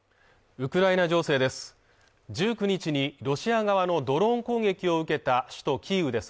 ウクライナ情勢です